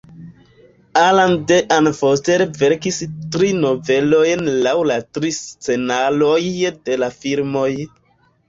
Alan Dean Foster verkis tri novelojn laŭ la tri scenaroj de la filmoj.